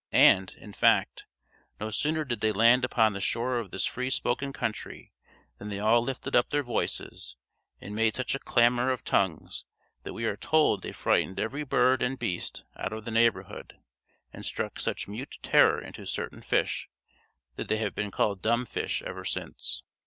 And, in fact, no sooner did they land upon the shore of this free spoken country, than they all lifted up their voices, and made such a clamor of tongues, that we are told they frightened every bird and beast out of the neighborhood, and struck such mute terror into certain fish, that they have been called dumb fish ever since.